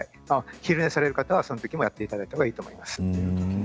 昼寝される方はその時もやっていただいた方がいいと思います。